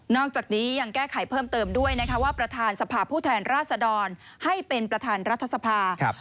อกจากนี้ยังแก้ไขเพิ่มเติมด้วยนะคะว่าประธานสภาพผู้แทนราชดรให้เป็นประธานรัฐสภา